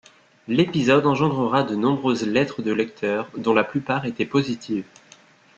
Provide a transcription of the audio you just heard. L'épisode engendrera de nombreuses lettres de lecteurs, dont la plupart étaient positives.